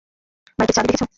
বাইকের চাবি দেখেছো?